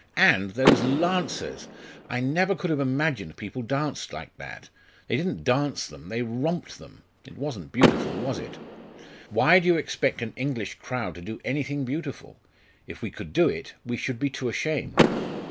And those Lancers! I never could have imagined people danced like that. They didn't dance them they romped them! It wasn't beautiful was it?" "Why do you expect an English crowd to do anything beautiful? If we could do it, we should be too ashamed."